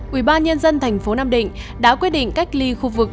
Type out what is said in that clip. quỹ ba nhân dân thành phố nam định đã quyết định cách ly khu vực